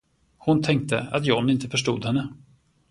Hon tänkte, att John inte förstod henne.